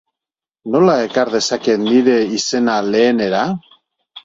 Nola ekar dezaket nire izena lehenera?